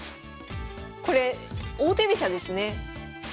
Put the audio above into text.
これ王手飛車ですね。